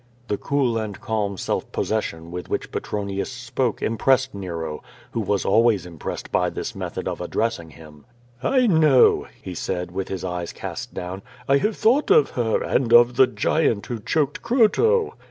The cool and calm self iK)ssession with which Petronius spoke impressed Nero, who was always impressed by this method of addressing him. "I know," he said, with his eyes cast down. "I have thought of her, and of the giant who choked Croto."